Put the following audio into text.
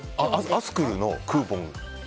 アスクルのクーポン。